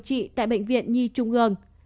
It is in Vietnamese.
trị tại bệnh viện nhi trung ương